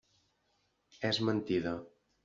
És mentida.